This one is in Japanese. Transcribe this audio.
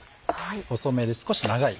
細めで少し長い